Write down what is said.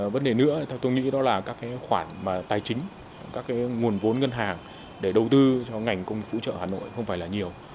vấn đề nữa theo tôi nghĩ đó là các khoản tài chính các nguồn vốn ngân hàng để đầu tư cho ngành công nghiệp phụ trợ hà nội không phải là nhiều